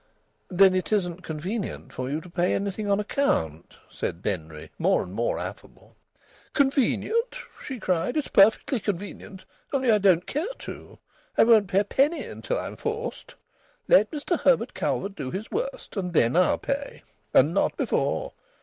"Then it isn't convenient for you to pay anything on account?" said Denry, more and more affable. "Convenient!" she cried. "It's perfectly convenient, only I don't care to. I won't pay a penny until I'm forced. Let Mr Herbert Calvert do his worst, and then I'll pay. And not before!